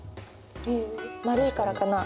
へえ丸いからかな。